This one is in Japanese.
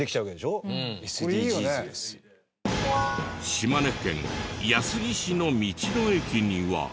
島根県安来市の道の駅には。